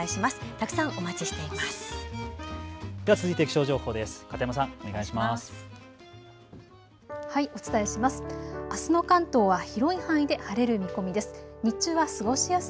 たくさんお待ちしています。